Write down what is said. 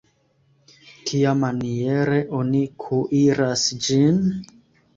Kiamaniere oni kuiras ĝin?